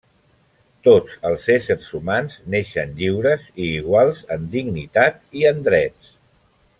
Tots els éssers humans neixen lliures i iguals en dignitat i en drets.